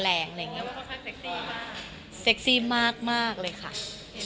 เห็นท่าเต้นเมื่อกี้